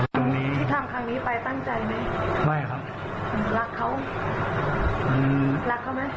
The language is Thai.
ที่ทำครั้งนี้ไปตั้งใจไหมรักเขารักเขาไหม